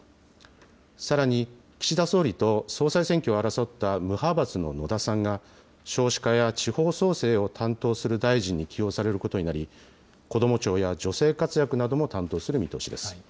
さらに岸田総理と総裁選挙を争った無派閥の野田さんが、少子化や地方創生を担当する大臣に起用されることになり、こども庁や女性活躍なども担当する見通しです。